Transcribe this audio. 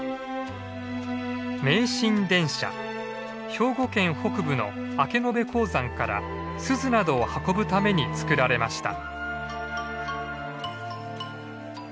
兵庫県北部の明延鉱山からスズなどを運ぶために造られました。